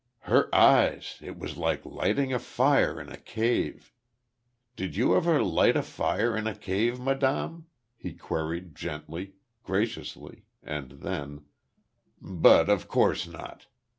Her eyes it was like lighting a fire in a cave. Did you ever light a fire in a cave, madame?" he queried, gently, graciously; and then: "But, of course not!